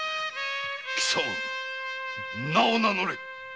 貴様名を名乗れ！